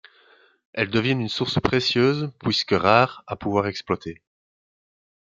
Elles deviennent une source précieuse, puisque rare, à pouvoir exploiter.